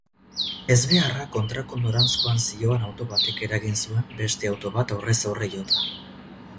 Ezbeharra kontrako noranzkoan zihoan auto batek eragin zuen beste auto bat aurrez-aurre jota.